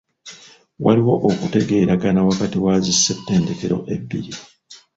Waliwo okutegeeragana wakati wa zi ssetendekero ebbiri.